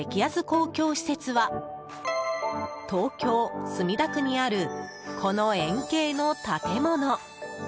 公共施設は東京・墨田区にあるこの円形の建物。